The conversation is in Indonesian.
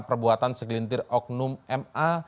perbuatan segelintir oknum ma